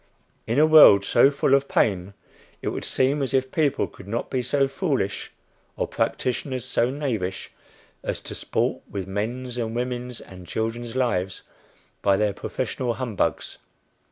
In a world so full of pain it would seem as if people could not be so foolish, or practitioners so knavish, as to sport with men's and women's and children's lives by their professional humbugs.